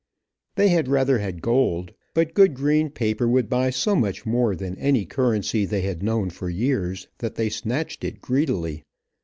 They had rather had gold, but good green paper would buy so much more than any currency they had known for years, that they snatched it greedily.